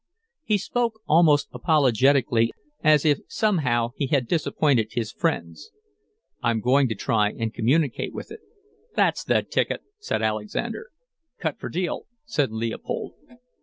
He spoke almost apologetically, as if somehow he had disappointed his friends. "I'm going to try and communicate with it." "That's the ticket," said Alexander. "Cut for deal," said Leopold.